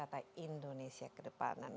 target pariwisata indonesia ke depan